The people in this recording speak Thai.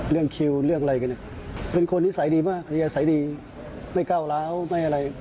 เรื่องคิวเรื่องอะไรกันเนี่ยเป็นคนนิสัยดีมากอัธยาศัยดีไม่ก้าวร้าวไม่อะไร